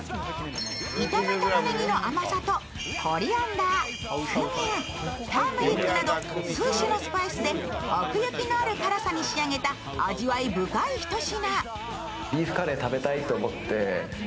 炒めたまねぎの甘さとコリアンダー、クミン、ターメリックなど数種のスパイスで奥行きのある辛さに仕上げた味わい深い一品。